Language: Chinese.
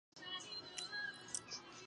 符号货币的发行无须黄金保证。